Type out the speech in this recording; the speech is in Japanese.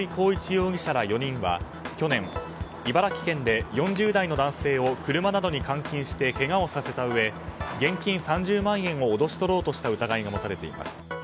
容疑者ら４人は去年茨城県で４０代の男性を車などに監禁してけがをさせたうえ現金３０万円を脅し取ろうとした疑いが持たれています。